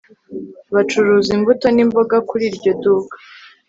Bacuruza imbuto nimboga kuri iryo duka